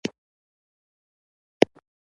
ډرامه باید د تعصب ضد وي